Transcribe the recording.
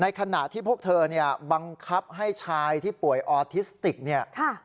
ขณะที่พวกเธอเนี่ยบังคับให้ชายที่ป่วยออทิสติกเนี่ย